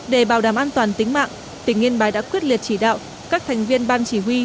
để bảo đảm an toàn tính mạng tỉnh yên bái đã quyết liệt chỉ đạo các thành viên ban chỉ huy